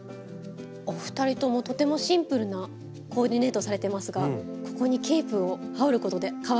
お二人ともとてもシンプルなコーディネートされてますがここにケープを羽織ることで変わるんですか？